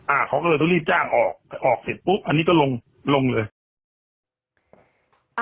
อ่าเขาก็เลยต้องรีบจ้างออกออกเสร็จปุ๊บอันนี้ก็ลงลงเลย